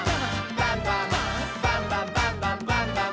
バンバン」「バンバンバンバンバンバン！」